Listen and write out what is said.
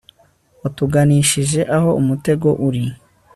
watuganishije aho umutego uri